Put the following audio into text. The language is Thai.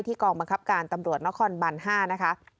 กองบังคับการตำรวจนครบัน๕นะคะ